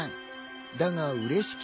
だがうれしき。